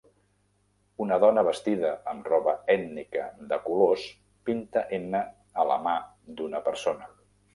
Una dona vestida amb roba ètnica de colors pinta henna a la mà d'una persona.